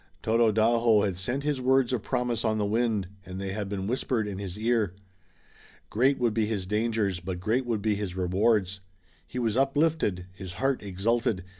Tododaho had sent his words of promise on the wind, and they had been whispered in his ear. Great would be his dangers but great would be his rewards. He was uplifted. His heart exulted.